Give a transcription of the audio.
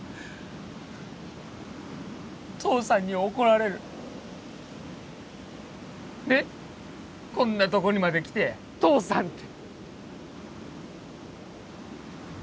父さんに怒られるねっこんなとこにまで来て父さんって